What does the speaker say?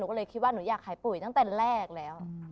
ก็เลยคิดว่าหนูอยากขายปุ๋ยตั้งแต่แรกแล้ว